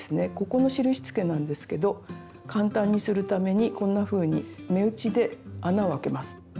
ここの印つけなんですけど簡単にするためにこんなふうに目打ちで穴を開けます。